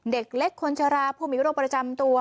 เด็กเล็กคนชราผู้มีโรคประจำตัว